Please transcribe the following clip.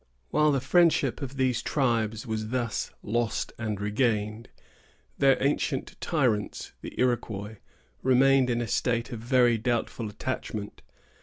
While the friendship of these tribes was thus lost and regained, their ancient tyrants, the Iroquois, remained in a state of very doubtful attachment.